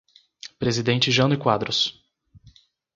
Presidente Jânio Quadros